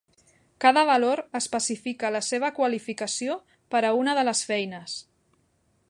Cada valor especifica la seva qualificació per a una de les feines.